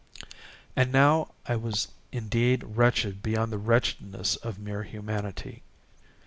And now was I indeed wretched beyond the wretchedness of mere Humanity.